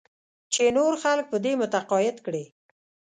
چې نور خلک په دې متقاعد کړې.